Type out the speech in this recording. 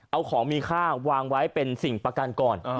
เอาของมีค่าวางไว้เป็นสิ่งประกันก่อน